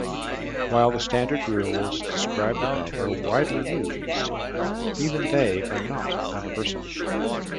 While the standard rules described above are widely used, even they are not universal.